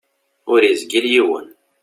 Ur izgil yiwen.